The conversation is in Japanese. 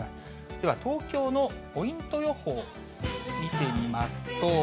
では、東京のポイント予報を見てみますと。